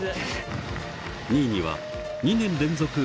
２位には２年連続